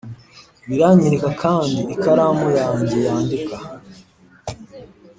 biranyereka kandi ikaramu yanjye yandika